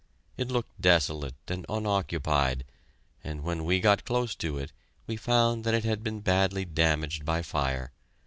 It looked desolate and unoccupied, and when we got close to it we found that it had been badly damaged by fire.